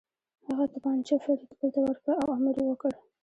هغه توپانچه فریدګل ته ورکړه او امر یې وکړ